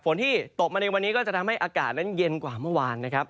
ที่ตกมาในวันนี้ก็จะทำให้อากาศนั้นเย็นกว่าเมื่อวานนะครับ